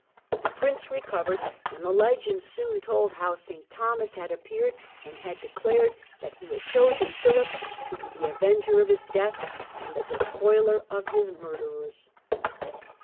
The prince recovered, and legend soon told how St Thomas had appeared and had declared that he had chosen Philip to be the avenger of his death and the despoiler of his murderers.